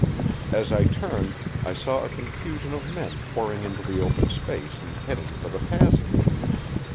As I turned I saw a confusion of men pouring into the open space and heading for the passage.